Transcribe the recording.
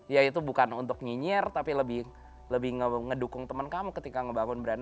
yaitu bukan untuk nyinyir tapi lebih ngedukung temen kamu ketika ngebangun brand